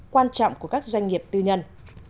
quan trọng của các doanh nghiệp tư nhân